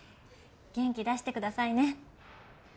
元気出してくださいね。